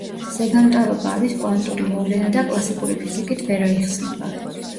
ზეგამტარობა არის კვანტური მოვლენა და კლასიკური ფიზიკით ვერ აიხსნება.